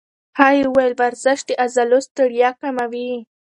هغې وویل ورزش د عضلو ستړیا کموي.